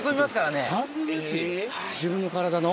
自分の体の？